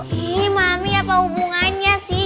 ini mami apa hubungannya sih